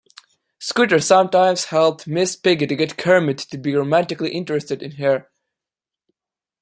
Scooter sometimes helped Miss Piggy to get Kermit to be romantically interested in her.